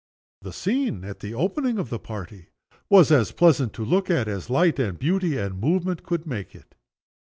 The scene at the opening of the party was as pleasant to look at as light and beauty and movement could make it.